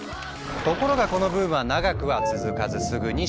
ところがこのブームは長くは続かずすぐに失速。